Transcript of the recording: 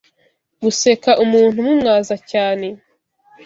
Guseka umuntu umumwaza cyane